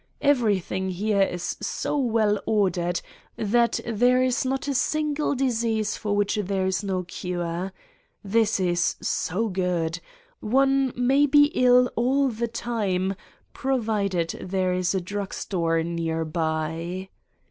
Everything here is so well ordered that there is not a single dis ease for which there is no cure. This is so good ! One may be ill all the time, provided there is a drug store nearby!